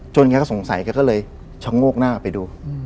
แกก็สงสัยแกก็เลยชะโงกหน้าไปดู